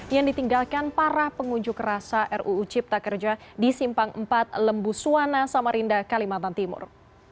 yang ditinggalkan para pengunjuk rasa ruu cipta kerja di simpang empat lembu suwana samarinda kalimantan timur